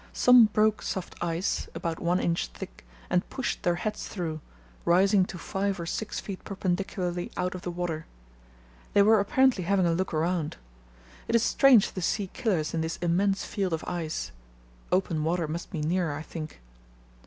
Some broke soft ice (about one inch thick) and pushed their heads through, rising to five or six feet perpendicularly out of the water. They were apparently having a look round. It is strange to see killers in this immense field of ice; open water must be near, I think.